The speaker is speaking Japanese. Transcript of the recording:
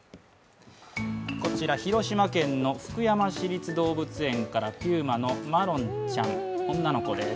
こちら、広島県の福山市立動物園からピューマのマロンちゃん女の子です。